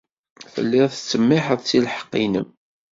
Telliḍ tettsemmiḥeḍ seg lḥeqq-nnem.